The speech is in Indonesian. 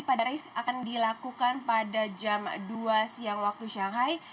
pada race akan dilakukan pada jam dua siang waktu shanghai